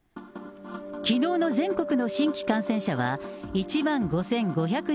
きのうの全国の新規感染者は１万５５１５人。